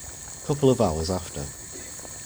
Couple of hours after.